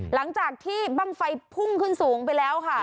หลังจากที่บ้างไฟพุ่งขึ้นสูงไปแล้วค่ะ